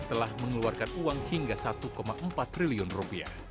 telah mengeluarkan uang hingga satu empat triliun rupiah